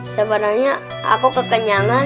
sebenarnya aku kekenyangan